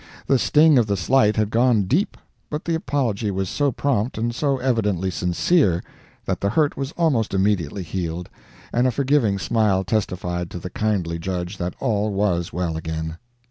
The sting of the slight had gone deep, but the apology was so prompt, and so evidently sincere, that the hurt was almost immediately healed, and a forgiving smile testified to the kindly judge that all was well again.